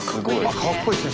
かっこいいですね。